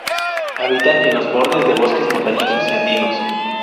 Habitan en los bordes de bosques montañosos y andinos.